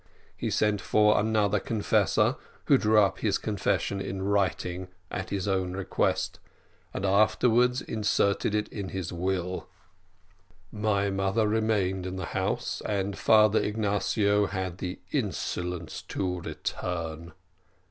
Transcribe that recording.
He sent for another confessor, who drew up his confession in writing at his own request, and afterwards inserted it in his will. My mother remained in the house, and Father Ignatio had the insolence to return.